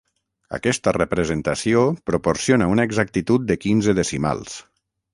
Aquesta representació proporciona una exactitud de quinze decimals.